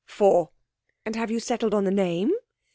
'Four.' 'And have you settled on the name?'